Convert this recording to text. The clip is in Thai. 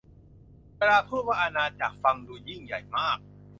เวลาพูดว่าอาณาจักร ฟังดูยิ่งใหญ่มาก